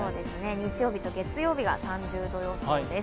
日曜日と月曜日が３０度予想です。